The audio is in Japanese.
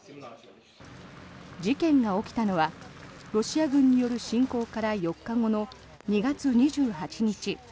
事件が起きたのはロシア軍による侵攻から４日後の２月２８日。